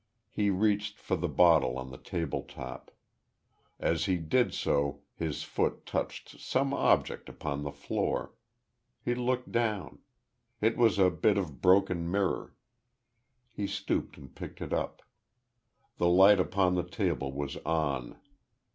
He reached for the bottle on the table top. As he did so, his foot touched some object upon the floor.... He looked down. It was a bit of broken mirror.... He stooped and picked it up. The light upon the table was on.